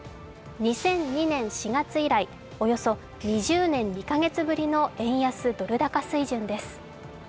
２００２年４月以来、およそ２０年２カ月ぶりの円安ドル高水準です。